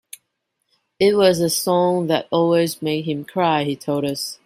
It was a song that always made him cry, he told us.